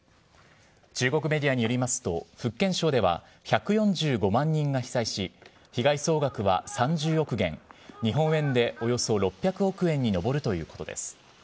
中国メディアによりますと、福建省では１４５万人が被災し、被害総額は３０億元、日本円でおよそ６００億円に上るということです。